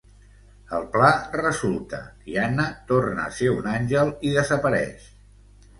El pla resulta i Anna torna a ser un àngel i desapareix.